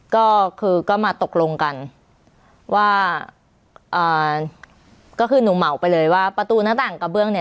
ก็คือก็มาตกลงกันว่าอ่าก็คือหนูเหมาไปเลยว่าประตูหน้าต่างกระเบื้องเนี่ย